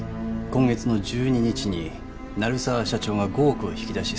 今月の１２日に鳴沢社長が５億を引き出し